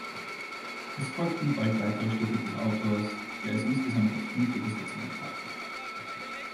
Es folgten bald weitere Stücke des Autors, der es insgesamt auf fünf Übersetzungen brachte.